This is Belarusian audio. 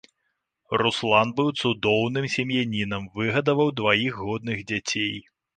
Руслан быў цудоўным сем'янінам, выгадаваў дваіх годных дзяцей.